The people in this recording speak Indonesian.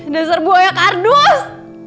dasar buaya kardus